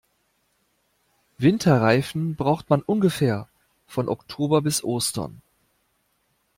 Winterreifen braucht man ungefähr von Oktober bis Ostern.